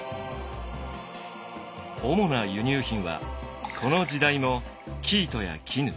主な輸入品はこの時代も生糸や絹。